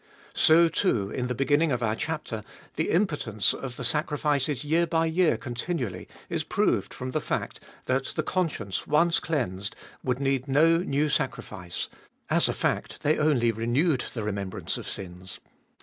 So, too, in the beginning of our chapter the impotence of the sacrifices year by year continually is proved from the fact, that the conscience once cleansed would need no new sacrifice; as a fact, they only renewed the remembrance of sins.